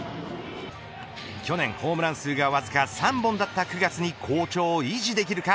去年ホームラン数がわずか３本だった９月に好調を維持できるか。